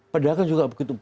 padahal kan juga begitu